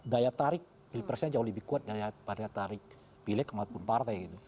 daya tarik persennya jauh lebih kuat daripada tarik pilih kemana pun partai